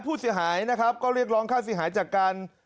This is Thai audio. ผู้เสียหายนะครับก็เรียกร้องค่าเสียหายจากการ